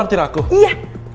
mau naktir aku iya